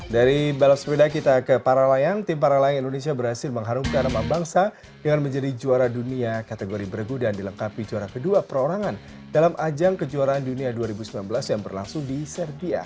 dari balap sepeda kita ke para layang tim para layang indonesia berhasil mengharumkan nama bangsa dengan menjadi juara dunia kategori bergu dan dilengkapi juara kedua perorangan dalam ajang kejuaraan dunia dua ribu sembilan belas yang berlangsung di serbia